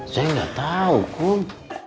saya nggak tahu kum